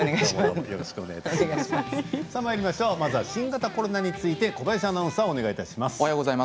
まずは新型コロナについて小林アナウンサーです。